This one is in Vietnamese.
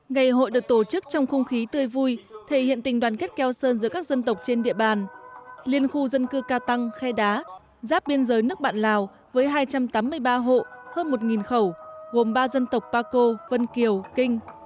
ngày hội được tổ chức trong không khí tươi vui thể hiện tình đoàn kết keo sơn giữa các dân tộc trên địa bàn liên khu dân cư ca tăng khe đá giáp biên giới nước bạn lào với hai trăm tám mươi ba hộ hơn một khẩu gồm ba dân tộc paco vân kiều kinh